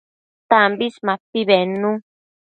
Tambis mapi bednu